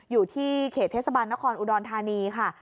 อยู่ที่เขตเทศบาลนครอุดรธานีค่ะ